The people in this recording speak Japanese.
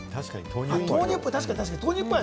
豆っぽい。